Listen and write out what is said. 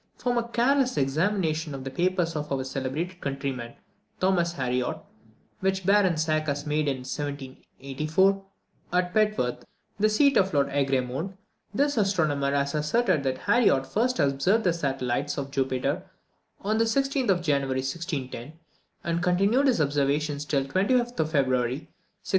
From a careless examination of the papers of our celebrated countryman, Thomas Harriot, which Baron Zach had made in 1784, at Petworth, the seat of Lord Egremont, this astronomer has asserted that Harriot first observed the satellites of Jupiter on the 16th of January, 1610; and continued his observations till the 25th of February, 1612.